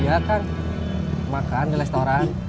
iya kan makan di restoran